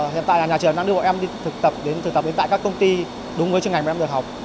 hiện tại là nhà trường đang đưa bọn em thực tập đến tại các công ty đúng với chương ngành bọn em được học